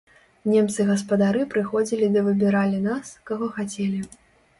Немцы-гаспадары прыходзілі ды выбіралі нас, каго хацелі.